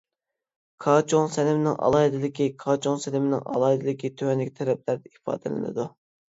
كاچۇڭ سەنىمىنىڭ ئالاھىدىلىكى كاچۇڭ سەنىمىنىڭ ئالاھىدىلىكى تۆۋەندىكى تەرەپلەردە ئىپادىلىنىدۇ.